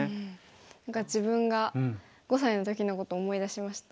何か自分が５歳の時のことを思い出しました。